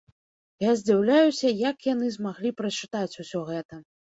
Я здзіўляюся, як яны змаглі прачытаць усё гэта.